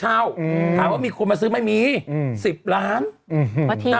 เหมือนแบบเขาแค่ขำรถผ่านเนี่ย